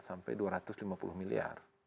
sampai dua ratus lima puluh miliar